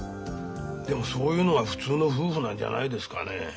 でもそういうのが普通の夫婦なんじゃないですかねえ。